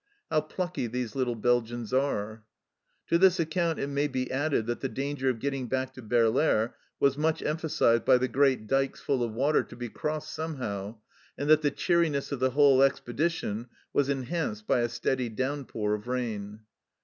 How plucky these little Belgians are 1" To this account it may be added that the danger of getting back to Berleare was much emphasized by the great dykes full of water to be crossed somehow, and that the cheeriness of the whole expedition was enhanced by a steady downpour of rain.